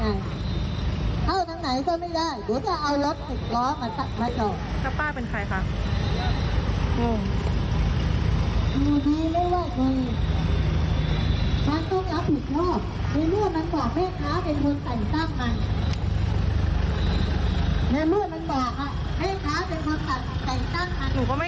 ไงเค้าทำไหนแป้งไม่ได้หรือจะเอารถถล้อมาตั้งมา